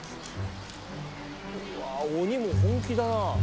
うわ鬼も本気だな。